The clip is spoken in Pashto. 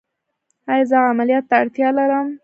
ایا زه عملیات ته اړتیا لرم؟